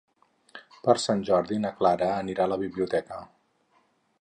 Per Sant Jordi na Clara anirà a la biblioteca.